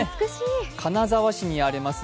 金沢市にあります